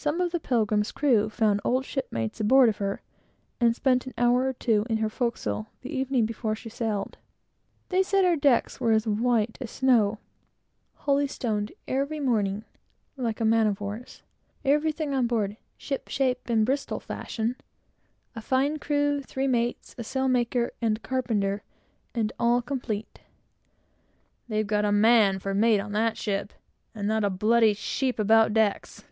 Some of the Pilgrim's crew found old ship mates aboard of her, and spent an hour or two in her forecastle, the evening before she sailed. They said her decks were as white as snow holystoned every morning, like a man of war's; everything on board "shipshape and Bristol fashion;" a fine crew, three mates, a sailmaker and carpenter, and all complete. "They've got a man for mate of that ship, and not a bloody sheep about decks!"